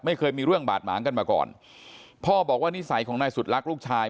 ไม่เคยมีเรื่องบาดหมางกันมาก่อนพ่อบอกว่านิสัยของนายสุดรักลูกชาย